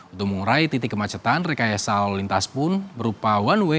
untuk mengurai titik kemacetan rekayasa lalu lintas pun berupa one way